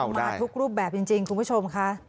มาทุกรูปแบบจริงคุณผู้ชมค่ะ